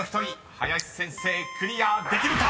［林先生クリアできるか？］